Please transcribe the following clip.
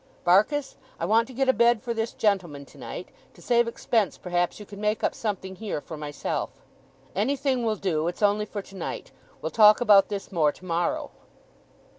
Barkis, I want to get a bed for this gentleman tonight. To save expense, perhaps you can make up something here for myself. Anything will do. It's only for tonight. We'll talk about this, more, tomorrow.